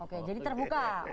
oke jadi terbuka